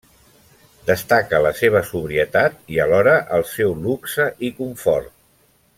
Destaca la seva sobrietat i, alhora, el seu luxe i confort.